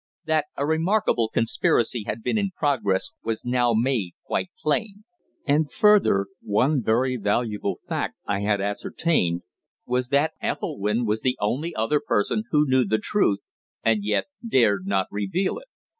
That a remarkable conspiracy had been in progress was now made quite plain; and, further, one very valuable fact I had ascertained was that Ethelwynn was the only other person who knew the truth, and yet dared not reveal it.